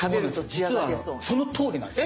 実はそのとおりなんです。